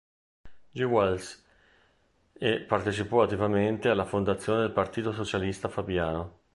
G. Wells e partecipò attivamente alla fondazione del Partito socialista fabiano.